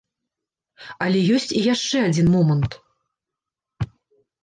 Але ёсць і яшчэ адзін момант.